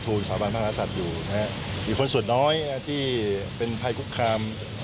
หรือคนส่วนน้อยเป็นภัยกุคคาม